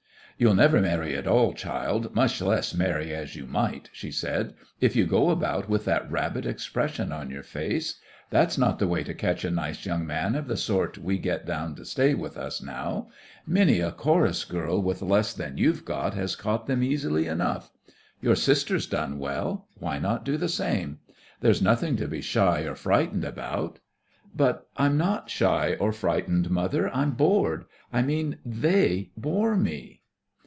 "You'll never marry at all, child, much less marry as you might," she said, "if you go about with that rabbit expression on your face. That's not the way to catch a nice young man of the sort we get down to stay with us now. Many a chorus girl with less than you've got has caught them easily enough. Your sister's done well. Why not do the same? There's nothing to be shy or frightened about." "But I'm not shy or frightened, mother. I'm bored. I mean they bore me."